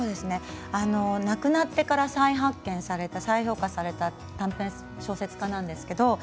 亡くなってから再発見された、再評価された小説家です。